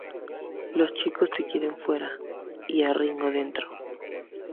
Los chicos te quieren fuera y a Ringo dentro".